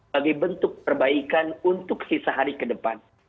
bagi bentuk perbaikan untuk sisa hari ke depan